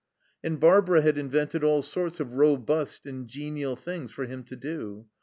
And Barbara had invented all sorts of robust and genial things for him to do.